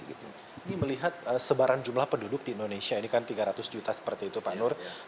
ini melihat sebaran jumlah penduduk di indonesia ini kan tiga ratus juta seperti itu pak nur